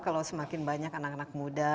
kalau semakin banyak anak anak muda